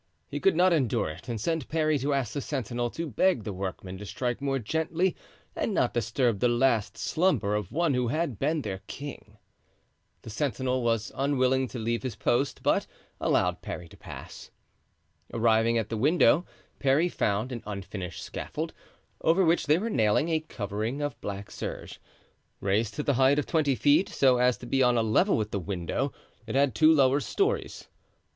He could not endure it, and sent Parry to ask the sentinel to beg the workmen to strike more gently and not disturb the last slumber of one who had been their king. The sentinel was unwilling to leave his post, but allowed Parry to pass. Arriving at the window Parry found an unfinished scaffold, over which they were nailing a covering of black serge. Raised to the height of twenty feet, so as to be on a level with the window, it had two lower stories.